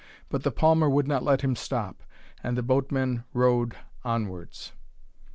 But the palmer would not let him stop, and the boatman rowed onwards.